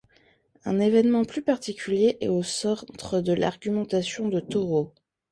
Un événement plus particulier est au centre de l'argumentation de Thoreau.